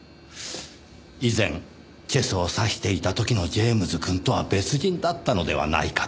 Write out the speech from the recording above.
以前チェスを指していた時のジェームズくんとは別人だったのではないかと。